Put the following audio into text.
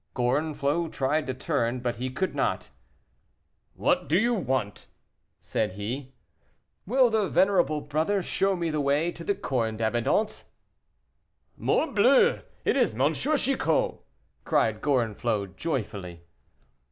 Gorenflot tried to turn, but he could not. "What do you want?" said he. "Will my venerable brother show me the way to the Corne d'Abondance?" "Morbleu! it is M. Chicot," cried Gorenflot, joyfully.